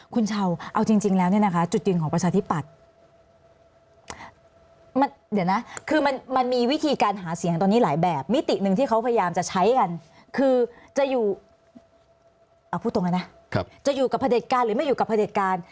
คุณเช่าเอาจริงแล้วเนี่ยนะคะจุดยืนของประชาธิปัตย์มันมีวิธีการหาเสียงตอนนี้หลายแบบมิติหนึ่งที่เขาพยายามจะใช้กันคือจะอยู่กับประเด็นการหรือไม่อยู่กับประเด็นการ